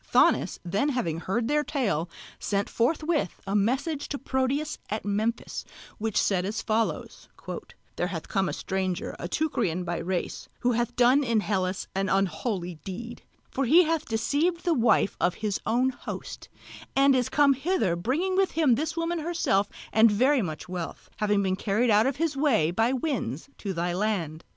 Thonis then having heard their tale sent forthwith a message to Proteus at Memphis, which said as follows: "There hath come a stranger, a Teucrian by race, who hath done in Hellas an unholy deed; for he hath deceived the wife of his own host, and is come hither bringing with him this woman herself and very much wealth, having been carried out of his way by winds to thy land.